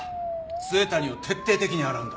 末谷を徹底的に洗うんだ。